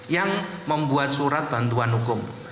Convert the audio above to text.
yang membuat surat bantuan hukum